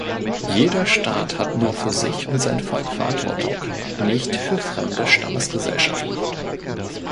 Jeder Staat hat nur für sich und sein Volk Verantwortung, nicht für fremde Stammesgesellschaften.